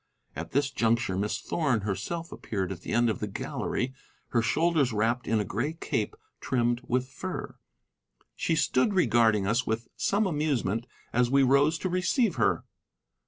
At this juncture Miss Thorn herself appeared at the end of the gallery, her shoulders wrapped in a gray cape trimmed with fur. She stood regarding us with some amusement as we rose to receive her.